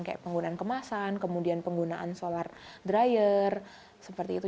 kayak penggunaan kemasan kemudian penggunaan solar dryer seperti itu